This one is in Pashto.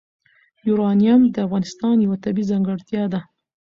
یورانیم د افغانستان یوه طبیعي ځانګړتیا ده.